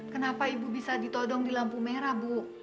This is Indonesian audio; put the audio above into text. kenapa ibu bisa ditodong di lampu merah bu